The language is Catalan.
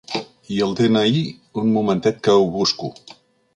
I el de-ena-i un momentet que ho busco.